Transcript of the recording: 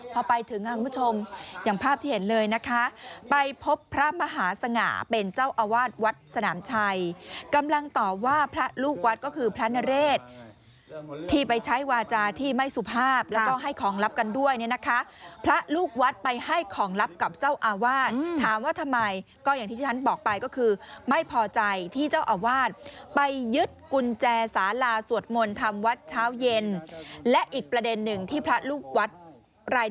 พอไปถึงห้างผู้ชมอย่างภาพที่เห็นเลยนะคะไปพบพระมหาสง่าเป็นเจ้าอาวาสวัดสนามชัยกำลังตอบว่าพระลูกวัดก็คือพระนเรศที่ไปใช้วาจาที่ไม่สุภาพแล้วก็ให้ของลับกันด้วยเนี่ยนะคะพระลูกวัดไปให้ของลับกับเจ้าอาวาสถามว่าทำไมก็อย่างที่ฉันบอกไปก็คือไม่พอใจที่เจ้าอาวาสไปยึดกุญแจสาราสวดมนตร์